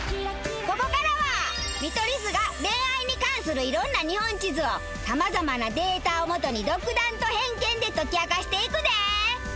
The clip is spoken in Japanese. ここからは見取り図が恋愛に関する色んな日本地図を様々なデータを元に独断と偏見で解き明かしていくで！